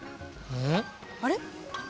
あれ？